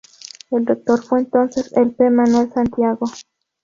El rector fue entonces el P. Manuel Santiago.